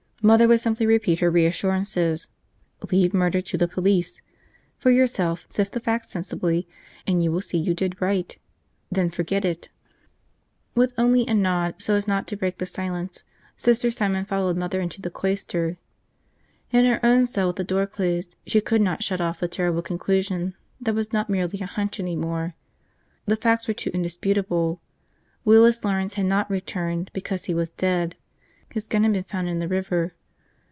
Mother would simply repeat her reassurances. Leave murder to the police. For yourself, sift the facts sensibly and you will see you did right, then forget it. With only a nod, so as not to break the Silence, Sister Simon followed Mother into the cloister. In her own cell with the door closed, she could not shut off the terrible conclusion that was not merely a hunch any more. The facts were too indisputable. Willis Lawrence had not returned because he was dead. His gun had been found in the river.